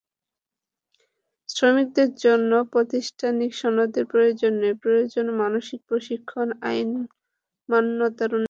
শ্রমিকদের জন্য প্রাতিষ্ঠানিক সনদের প্রয়োজন নেই, প্রয়োজন মানসিক প্রশিক্ষণ, আইন মান্যতার অনুশীলন।